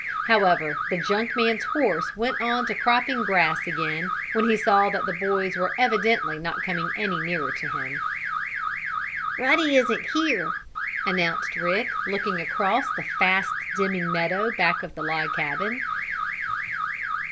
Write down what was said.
However, the junk man's horse went to cropping grass again when he saw that the boys were evidently not coming any nearer to him. "Ruddy isn't here," announced Rick, looking across the fast dimming meadow back of the log cabin.